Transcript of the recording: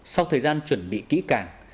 sau thời gian chuẩn bị kỹ càng